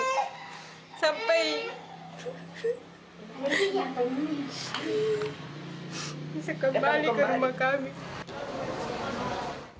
sampai bisa kembali ke rumah kami